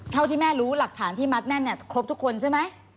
เท่าที่แม่รู้หลักฐานที่มัดแน่นเนี่ยครบทุกคนใช่ไหม